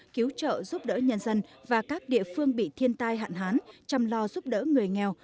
cứu trợ giúp đỡ nhân dân và các địa phương bị thiên tai hạn hán chăm lo giúp đỡ người nghèo